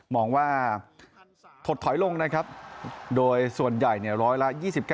มองว่าถดถอยลงนะครับโดยส่วนใหญ่ร้อยละ๒๙